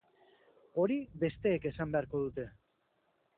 Hori besteek esan beharko dute.